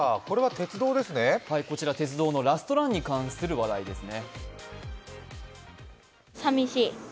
鉄道のラストランに関する話題ですね。